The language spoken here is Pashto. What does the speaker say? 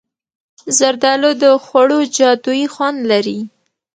زردالو د خوړو جادويي خوند لري.